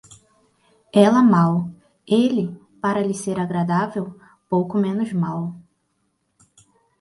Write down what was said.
Ela mal; ele, para lhe ser agradável, pouco menos mal.